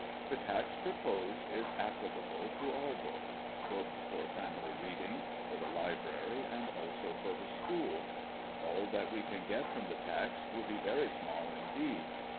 The tax pro posed is applicable to all books, ŌĆö books for family reading, for the library, and also for the school. All that we can get from the tax will be very small indeed.